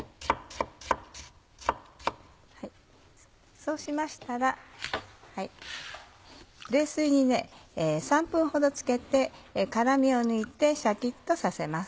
そうしましたら冷水に３分ほどつけて辛みを抜いてシャキっとさせます。